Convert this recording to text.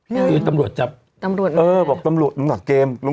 คือตำรวจจับเออบอกตำรวจลุงศักดิ์เกม